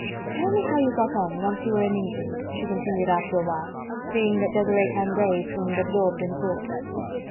"Tell me how you got on, once you were in England," she continued after a while, seeing that Desiree Candeille seemed absorbed in thought.